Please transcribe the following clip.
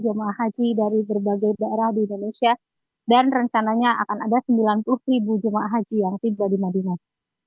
jemaah haji dari berbagai daerah di indonesia dan rencananya akan ada sembilan puluh ribu jemaah haji yang tiba di madinah